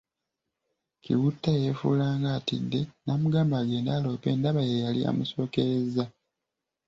Kiwutta yefuula ng’atidde namugamba agende aloope ndaba yeeyali amusookerezza.